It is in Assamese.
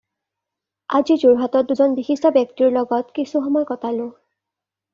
আজি যোৰহাটত দুজন বিশিষ্ট ব্যক্তিৰ লগত কিছু সময় কটালোঁ।